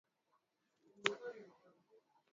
Sima ni tamu.